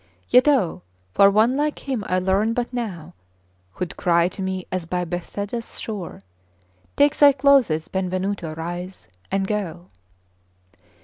Yet oh! for one like Him I learned but now, Who'd cry to me as by Bethesda's shore: Take thy clothes, Benvenuto, rise and go!